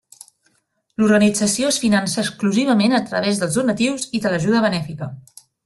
L'organització es finança exclusivament a través dels donatius i de l'ajuda benèfica.